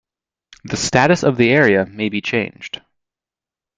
The status of the area may be changed.